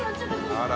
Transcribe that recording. あら。